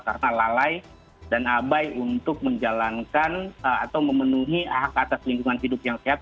karena lalai dan abai untuk menjalankan atau memenuhi hak atas lingkungan hidup yang sehat